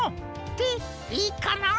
ていいかな。